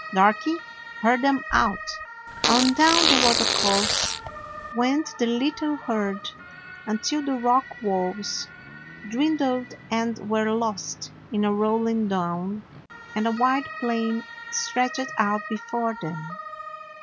Darky, herd 'em out !" 103 DOG HEROES OF MANY LANDS On down the watercourse went the little herd, until the rock walls dwindled and were lost in a rolling down, and a wide plain stretched out before them.